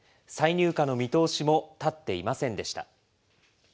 再入荷の見通しも立っていませんでした。